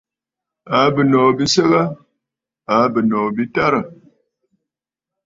Àa bɨ̀nòò bi səgə? Àa bɨnòò bi tarə̀.